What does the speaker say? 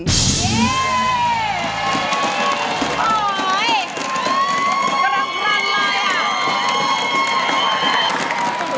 กระปรังเลยอ่ะ